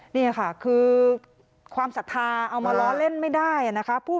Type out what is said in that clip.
นี่ค่ะคือความศรัทธาเอามาล้อเล่นไม่ได้นะคะ